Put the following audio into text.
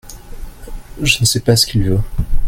je ne sais pas ce qu'il veut.